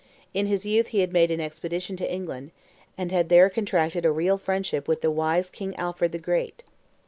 In his youth he had made an expedition to England, and had there contracted a real friendship with the wise King Alfred the Great.